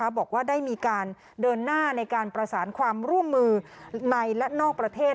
บอกว่าได้มีการเดินหน้าในการประสานความร่วมมือในและนอกประเทศ